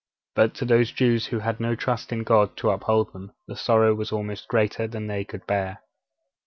But to those Jews who had no trust in God to uphold them, the sorrow was almost greater than they could bear.